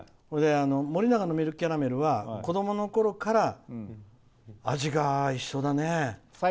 森永のミルクキャラメルは子どものころから、味が一緒だね。